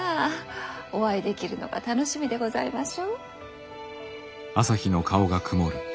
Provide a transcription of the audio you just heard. お会いできるのが楽しみでございましょう。